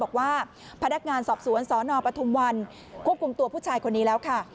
บอกว่าพนักงานสอบสวนสนปทุมวันควบคุมตัวผู้ชายคนนี้แล้วค่ะ